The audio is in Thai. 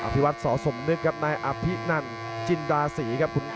พี่วัดสอสมนึกครับนายอภินันจินดาศรีครับ